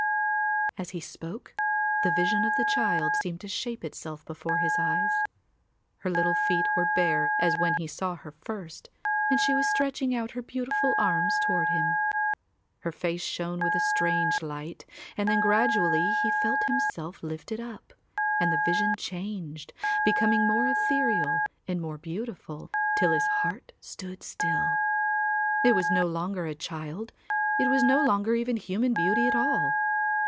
As he spoke the vision of the child seemed to shape itself before his eyes. Her little feet were bare as when he saw her first and she was stretching out her beautiful arms toward him. Her face shone with a strange light and then gradually he felt himself lifted up and the vision changed, becoming more ethereal and more beautiful, till his heart stood still. It was no longer a child, it was no longer even human beauty at all.